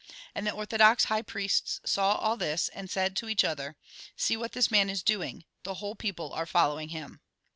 And the orthodox high priests saw all this, and said to each other :" See what this man is doing. The whole people are following him."